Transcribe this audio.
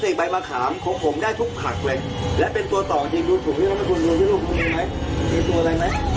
จริงจะสามารถเสร็จตัวต่อเสร็จเรื่องได้ใช่ไหมลูกแล้วถามให้พ่อค่ะ